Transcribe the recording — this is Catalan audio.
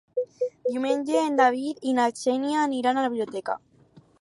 Diumenge en David i na Xènia aniran a la biblioteca.